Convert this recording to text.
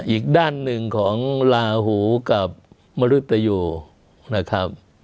อีกด้านหนึ่งของลาหูกับมรุตยูนะครับ